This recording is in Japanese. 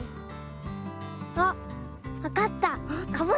あっわかった！